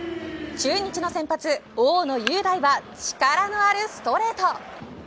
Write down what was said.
中日の先発、大野雄大は力のあるストレート。